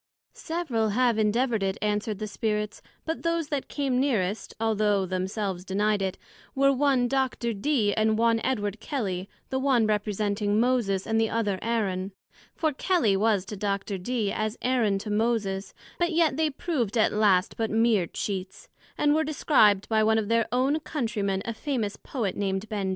Several have endeavoured it, answered the Spirits, but those that came nearest (although themselves denied it) were one Dr. Dee, and one Edward Kelly, the one representing Moses, and the other Aaron; for Kelly was to Dr.Dee, as Aaron to Moses; but yet they proved at last but meer Cheats; and were described by one of their own Country men, a famous Poet, named Ben.